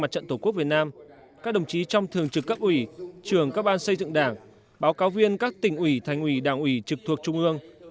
trường trực cấp ủy trường các ban xây dựng đảng báo cáo viên các tỉnh ủy thành ủy đảng ủy trực thuộc trung ương